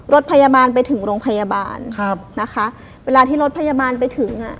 รถพยาบาลไปถึงโรงพยาบาลครับนะคะเวลาที่รถพยาบาลไปถึงอ่ะ